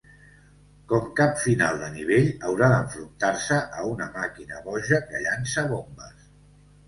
Com cap final de nivell, haurà d'enfrontar-se a una màquina boja que llança bombes.